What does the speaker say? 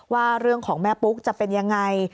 ว่าเรื่องของแม่ปุ๊กจะเป็นยังไง